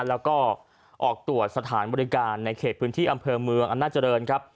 แล้วก็ออกตรวจสถานบริการในเขตพื้นที่อำเภอเมืองอำนาจริงครับ